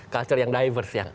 culture yang diverse